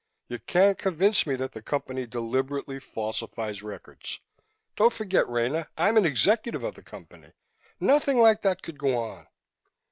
"You can't convince me that the Company deliberately falsifies records. Don't forget, Rena, I'm an executive of the Company! Nothing like that could go on!"